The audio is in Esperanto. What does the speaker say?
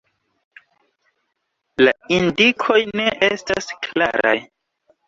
La indikoj ne estas klaraj.